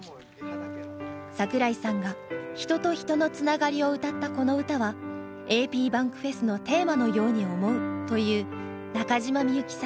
櫻井さんが人と人のつながりを歌ったこの歌はａｐｂａｎｋｆｅｓのテーマのように思うという中島みゆきさんの「糸」。